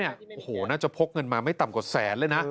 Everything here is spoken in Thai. โอ้โหน่าจะพกเงินมาไม่ต่ำกว่าแสนเลยนะ